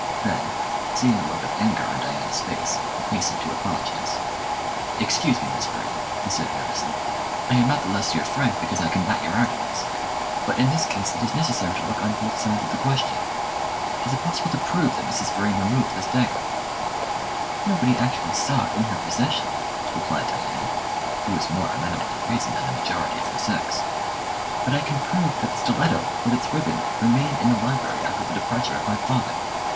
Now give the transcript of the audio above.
Then, seeing the look of anger on Diana's face, he hastened to apologise. "Excuse me, Miss Vrain," he said nervously. "I am not the less your friend because I combat your arguments; but in this case it is necessary to look on both sides of the question. Is it possible to prove that Mrs. Vrain removed this dagger?" "Nobody actually saw it in her possession," replied Diana, who was more amenable to reason than the majority of her sex, "but I can prove that the stiletto, with its ribbon, remained in the library after the departure of my father.